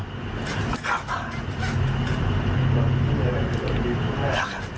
ถ้ารักค่ะ